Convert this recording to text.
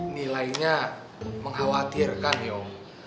nilainya mengkhawatirkan ya om